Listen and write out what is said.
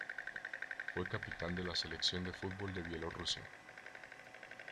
Fue capitán de la selección de fútbol de Bielorrusia.